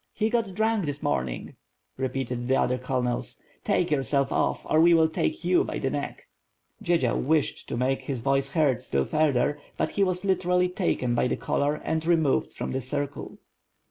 He got drunk this morning/' repeated the other colonels, "take yourself off or we will take you by the neck/* Dziedzial wished to make his Toice heard still further, but he was literally taken by the collar and removed from the circle.